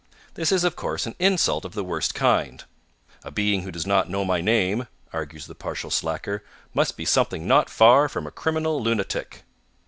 This is, of course, an insult of the worst kind. "A being who does not know my name," argues the partial slacker, "must be something not far from a criminal lunatic."